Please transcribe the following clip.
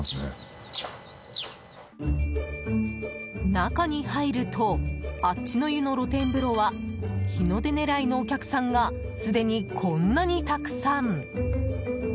中に入るとあっちの湯の露天風呂は日の出狙いのお客さんがすでに、こんなにたくさん。